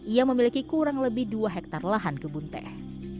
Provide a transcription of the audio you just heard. ia memiliki kurang lebih dua hektare lahan kebun teh